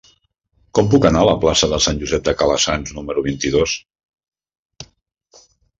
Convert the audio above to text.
Com puc anar a la plaça de Sant Josep de Calassanç número vint-i-dos?